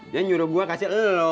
dia nyuruh gue kasih lo